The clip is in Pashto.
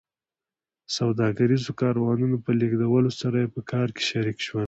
سوداګریزو کاروانونو په لېږدولو سره یې په کار کې شریک شول